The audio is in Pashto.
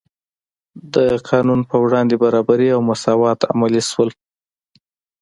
د قانون په وړاندې برابري او مساوات عملي شول.